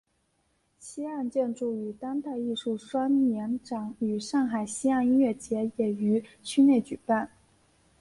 西岸建筑与当代艺术双年展与上海西岸音乐节也于区内举办。